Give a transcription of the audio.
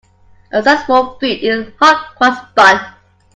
A zestful food is the hot-cross bun.